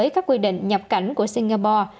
của quy định nhập cảnh của singapore